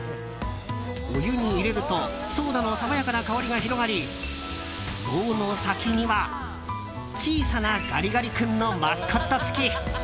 お湯に入れるとソーダの爽やかな香りが広がり棒の先には小さなガリガリ君のマスコット付き。